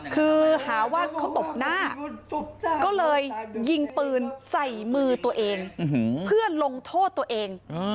คือหาว่าเขาตบหน้าก็เลยยิงปืนใส่มือตัวเองเพื่อลงโทษตัวเอง